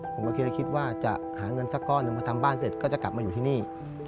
ผมก็แค่คิดว่าจะหาเงินสักก้อนหนึ่งพอทำบ้านเสร็จก็จะกลับมาอยู่ที่นี่